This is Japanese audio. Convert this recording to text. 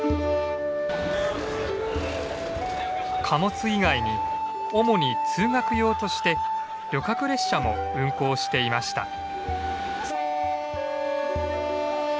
貨物以外に主に通学用として旅客列車も運行していました。